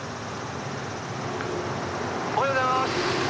おはようございます！